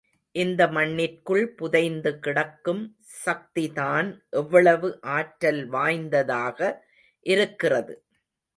இந்த மண்ணிற்குள் புதைந்து கிடக்கும் சக்திதான் எவ்வளவு ஆற்றல் வாய்ந்ததாக இருக்கிறது.